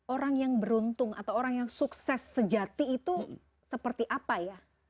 orang yang beruntung atau orang yang sukses sejati itu seperti apa ya